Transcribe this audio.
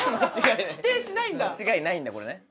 間違いないんだこれね。